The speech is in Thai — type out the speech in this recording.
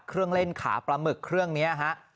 เครื่องเล่นขาปลาหมึกเครื่องนี้ฮะ